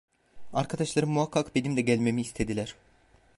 Arkadaşlarım muhakkak benim de gelmemi istediler.